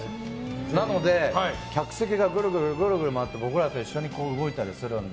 なので、客席がぐるぐる回って僕らと一緒に動いたりするので。